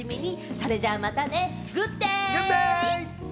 それじゃまたねグッデイ！